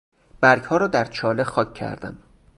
برگها را در چاله خاک کردم.